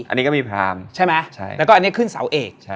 อันนี้ก็มีพรามใช่ไหมแล้วก็อันนี้ขึ้นเสาเอก